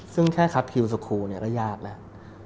ซึ่งแค่คัดคิวสคูลก็ยากแล้ว